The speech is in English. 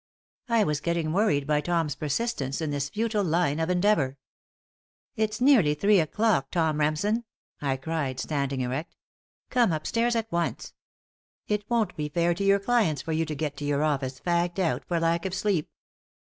I was getting worried by Tom's persistence in this futile line of endeavor. "It's nearly three o'clock, Tom Remsen," I cried, standing erect. "Come up stairs at once. It won't be fair to your clients for you to get to your office fagged out for lack of sleep."